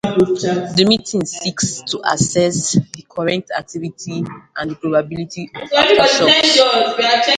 The meeting seeks to assess the current activity and the probability of aftershocks.